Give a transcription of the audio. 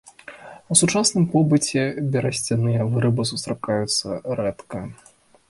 У сучасным побыце берасцяныя вырабы сустракаюцца рэдка.